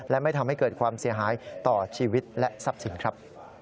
และไม่ทำให้เกิดความเสียหายต่อชีวิตและทรัพย์สินครับ